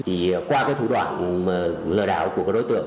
thì qua cái thủ đoạn lừa đảo của các đối tượng